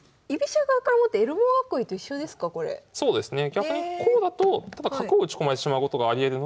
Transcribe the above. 逆にこうだとただ角を打ち込まれてしまうことがありえるので。